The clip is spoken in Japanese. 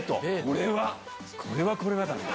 これはこれはだね！